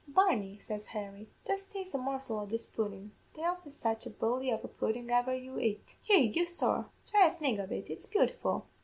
"'Barney,' says Harry, 'just taste a morsel o' this pudden; divle the such a bully of a pudden ever you ett; here, your sowl! thry a snig of it it's beautiful.'